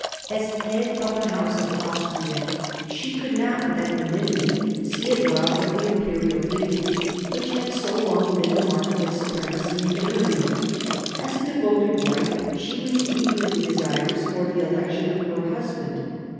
As head of the House of Austria she could not with equanimity see it robbed of the Imperial dignity which had so long been the mark of its supremacy in Germany. As a devoted wife she was eagerly desirous for the election of her husband.